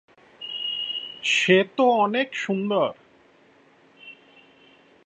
সে তো অনেক সুন্দর!